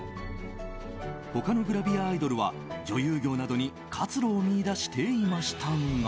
他のグラビアアイドルは女優業などに活路を見いだしていましたが。